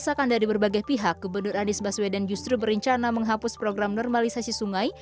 terdapat tanda dari berbagai pihak kebenaran disbaswedan justru berencana menghapus program normalisasi sungai